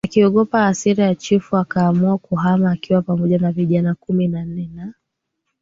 akiogopa hasira ya chifu akaamua kuhama akiwa pamoja na vijana kumi na nne na